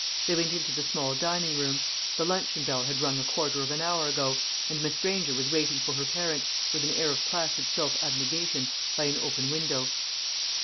They went into the small dining room. The luncheon bell had rung a quarter of an hour ago, and Miss Granger was waiting for her parents, with an air of placid self abnegation, by an open window.